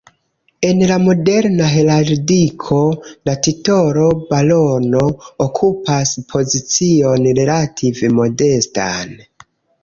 En la moderna heraldiko, la titolo “barono” okupas pozicion relative modestan.